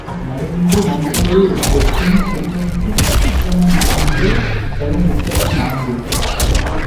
நடுவின்றி நன்பொருள் வெஃகின் குடிபொன்றிக் குற்றமும் ஆங்கே தரும் முப்பத்து நான்கு.